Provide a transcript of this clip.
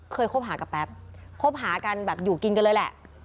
คบหากับแป๊บคบหากันแบบอยู่กินกันเลยแหละ